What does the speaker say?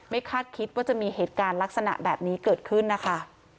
คาดคิดว่าจะมีเหตุการณ์ลักษณะแบบนี้เกิดขึ้นนะคะ